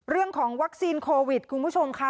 เรื่องของวัคซีนโควิดคุณผู้ชมค่ะ